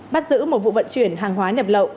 bắt giữ một vụ vận chuyển hàng hóa nhập lậu